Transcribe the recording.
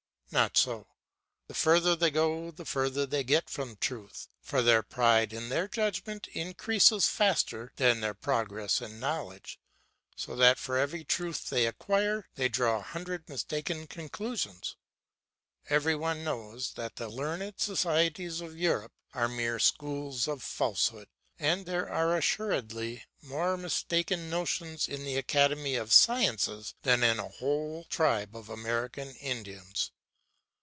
Not so, the further they go the further they get from truth, for their pride in their judgment increases faster than their progress in knowledge, so that for every truth they acquire they draw a hundred mistaken conclusions. Every one knows that the learned societies of Europe are mere schools of falsehood, and there are assuredly more mistaken notions in the Academy of Sciences than in a whole tribe of American Indians.